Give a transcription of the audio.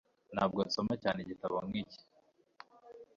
Ntabwo nsoma cyane igitabo nk'iki